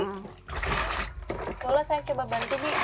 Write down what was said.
masukkan benang benang benang itu dia